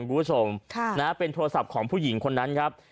คุณผู้ชมเป็นโทรศัพท์ของผู้หญิงคนนั้นครับ